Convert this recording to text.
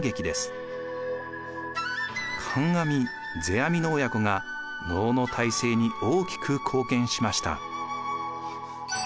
観阿弥世阿弥の親子が能の大成に大きく貢献しました。